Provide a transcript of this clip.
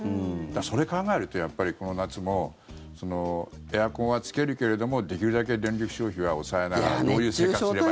それ考えると、やっぱりこの夏もエアコンはつけるけれどもできるだけ電力消費は抑えながらどういう生活すればいいのか。